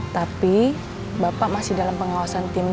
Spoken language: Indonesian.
tapi bapak masih dalam pengawasan tim